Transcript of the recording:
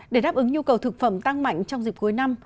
để đáp ứng nhu cầu thực phẩm tăng mạnh trong dịp cuối năm